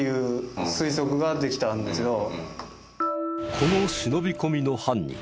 この忍び込みの犯人